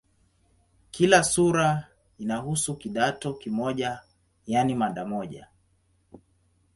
Kila sura inahusu "kidato" kimoja, yaani mada moja.